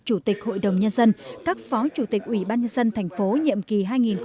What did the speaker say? chủ tịch hội đồng nhân dân các phó chủ tịch ủy ban nhân dân thành phố nhiệm kỳ hai nghìn một mươi sáu hai nghìn hai mươi một